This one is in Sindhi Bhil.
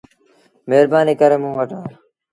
مهربآنيٚ ڪري موݩ وٽ آ۔